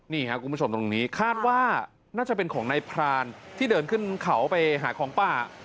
นี่ครับคุณผู้ชมตรงนี้คาดว่าน่าจะเป็นของนายพรานที่เดินขึ้นเขาไปหาของป่า